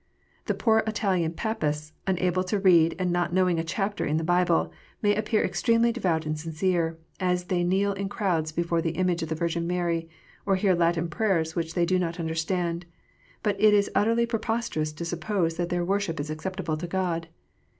The poor Italian Papists, unable to read, and not knowing a chapter in the Bible, may appear extremely devout and sincere, as they kneel in crowds before the image of the Virgin Mary, or hear Latin prayers which they do not understand. But it is utterly preposterous to suppose that their worship is acceptable to God.